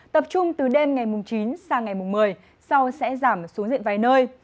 tập trung từ đêm ngày chín sang ngày một mươi sau sẽ giảm xuống diện vài nơi